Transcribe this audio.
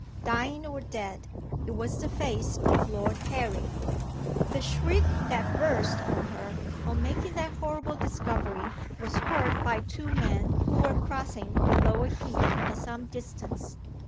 Dying or dead, it was the face of Lord Harry. The shriek that burst from her, on making that horrible discovery, was heard by two men who were crossing the lower heath at some distance.